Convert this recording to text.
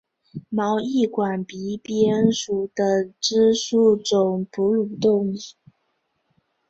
毛翼管鼻蝠属等之数种哺乳动物。